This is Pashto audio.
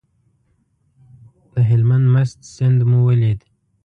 د هلمند مست سیند مو ولید.